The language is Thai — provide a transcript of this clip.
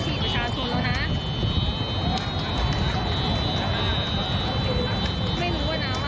จะเป็นน้ำในกันสูงได้ไหม